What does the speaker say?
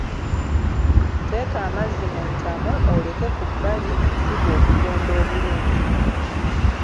Tteeka amazzi mu ntamu oleke ku bbali ensigo okugonda obulungi.